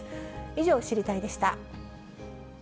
以上、知りたいッ！でした。